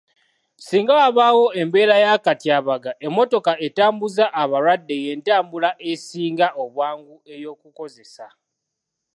Singa wabaawo embeera y'akatyabaga, emmotoka etambuza abalwadde y'entambula esinga obwangu ey'okukozesa.